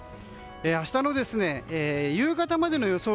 明日の夕方までの予想